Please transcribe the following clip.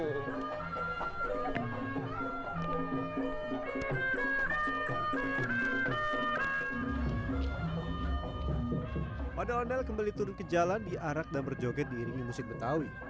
ondel ondel kembali turun ke jalan diarak dan berjoget diiringi musik betawi